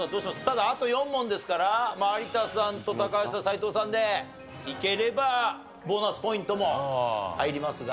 ただあと４問ですから有田さんと高橋と斎藤さんでいければボーナスポイントも入りますが。